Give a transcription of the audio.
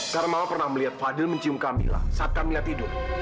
karena mama pernah melihat fadil mencium kamila saat kamila tidur